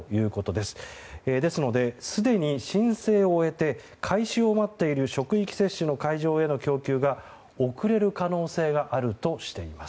ですので、すでに申請を終えて開始を待っている職域接種の会場への供給が遅れる可能性があるとしています。